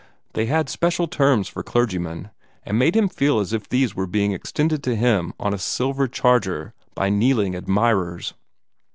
They had special terms for clergymen, and made him feel as if these were being extended to him on a silver charger by kneeling admirers.